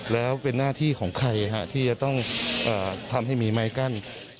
แล้วเป็นหน้าที่ของใครที่จะต้องทำให้มีไม้กั้น